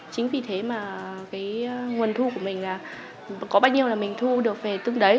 chính vì thế mà nguồn thu của mình là có bao nhiêu là mình thu được về tương đối